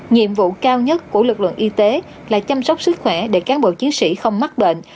nhiệm vụ cao nhất của lực lượng y tế là chăm sóc sức khỏe để cán bộ chiến sĩ không mắc bệnh